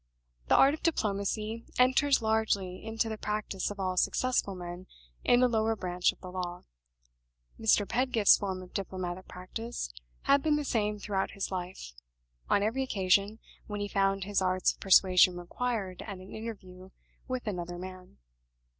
The art of diplomacy enters largely into the practice of all successful men in the lower branch of the law. Mr. Pedgift's form of diplomatic practice had been the same throughout his life, on every occasion when he found his arts of persuasion required at an interview with another man.